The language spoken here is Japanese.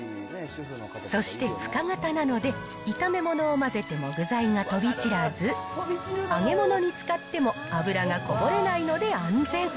そして深型なので、炒め物を混ぜても具材が飛び散らず、揚げ物に使っても油がこぼれないので安全。